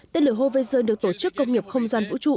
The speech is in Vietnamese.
tên lửa hovesi được tổ chức công nghiệp không gian vũ trụ